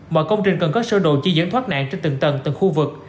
mọi công trình cần có sơ đồ chỉ dẫn thoát nạn trên từng tầng từng khu vực